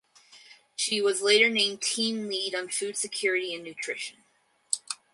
She was later named Team Lead on Food Security and Nutrition.